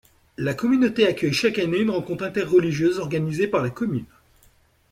La communauté accueille chaque année une rencontre interreligieuse organisée par la commune.